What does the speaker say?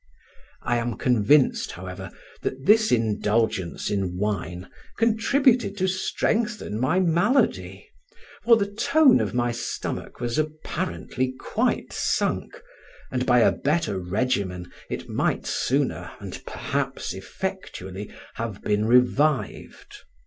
I am convinced, however, that this indulgence in wine contributed to strengthen my malady, for the tone of my stomach was apparently quite sunk, and by a better regimen it might sooner, and perhaps effectually, have been revived.